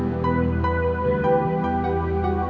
bapak mau kontak bos saeb